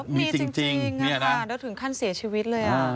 มีจริงแล้วถึงขั้นเสียชีวิตเลย